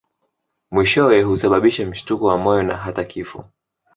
Mwishowe husababisha mshtuko wa moyo na hata kifo.